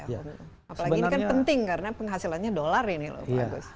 apalagi ini kan penting karena penghasilannya dolar ini loh pak agus